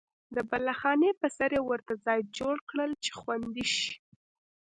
د بالاخانې په سر یې ورته ځای جوړ کړل چې خوندي شي.